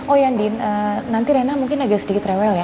oh yandi nanti rena mungkin agak sedikit rewel ya